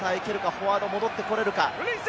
フォワード戻ってこれるか。